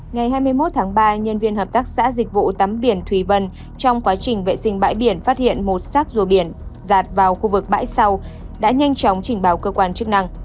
ngày hai mươi một tháng ba nhân viên hợp tác xã dịch vụ tắm biển thùy vân trong quá trình vệ sinh bãi biển phát hiện một sát rùa biển rạt vào khu vực bãi sau đã nhanh chóng trình báo cơ quan chức năng